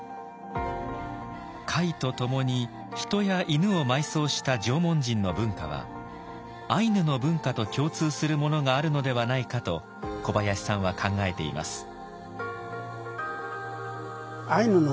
貝と共に人や犬を埋葬した縄文人の文化はアイヌの文化と共通するものがあるのではないかと小林さんは考えています。